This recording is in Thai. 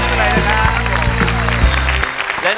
ขอบคุณสุดยอดครับ